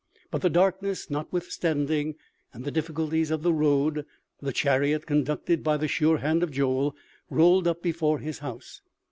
But the darkness notwithstanding and the difficulties of the road, the chariot, conducted by the sure hand of Joel, rolled up before his house.